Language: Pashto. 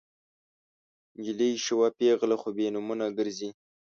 نجلۍ شوه پیغله خو بې نومه ګرزي